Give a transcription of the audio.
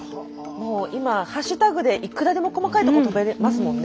今ハッシュタグでいくらでも細かいとこ飛べれますもんね。